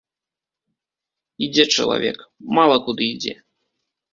Ідзе чалавек, мала куды ідзе.